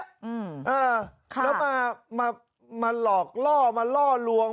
เออมาหลอกล่อมาล่อลวง